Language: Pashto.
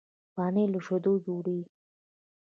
پنېر له شيدو جوړېږي.